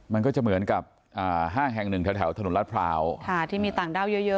มันก็จะเหมือนกับอ่าห้างแห่งหนึ่งแถวแถวถนนรัฐพร้าวค่ะที่มีต่างด้าวเยอะเยอะ